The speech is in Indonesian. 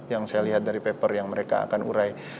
yang saya lihat dari paper yang mereka akan urai